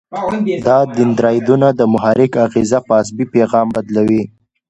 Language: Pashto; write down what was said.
دا دندرایدونه د محرک اغیزه په عصبي پیغام بدلوي.